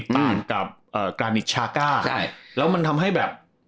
ต่างกับการิชชาก้าแล้วมันทำให้แบบ